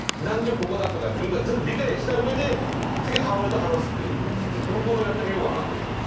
ここだとか全部理解した上で次母親と話すっていうこの行動やってみようかなと思います。